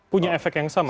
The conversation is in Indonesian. punya efek yang sama